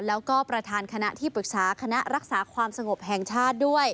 แล้วก็ประธานคณะที่ปรึกษาคณะรักษาความสงบแห่งชาติด้วย